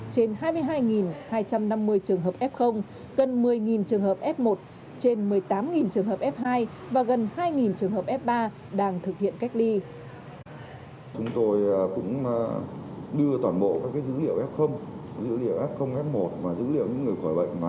trên hai mươi hai hai trăm năm mươi trường hợp f gần một mươi trường hợp f một